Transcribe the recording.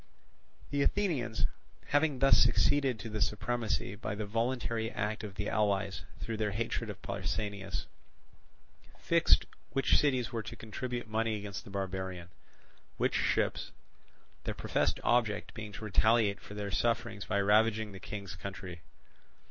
The Athenians, having thus succeeded to the supremacy by the voluntary act of the allies through their hatred of Pausanias, fixed which cities were to contribute money against the barbarian, which ships; their professed object being to retaliate for their sufferings by ravaging the King's country.